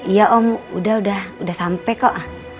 iya om udah udah udah sampe kok